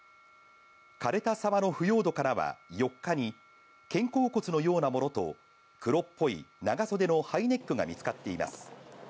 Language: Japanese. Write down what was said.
かれた沢の腐葉土からは、４日に、肩甲骨のようなものと黒っぽい長袖のハイネックが見つかっています。